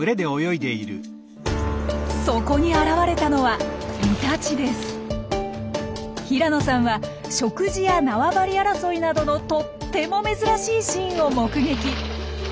そこに現れたのは平野さんは食事や縄張り争いなどのとっても珍しいシーンを目撃。